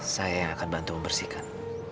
saya yang akan bantu membersihkan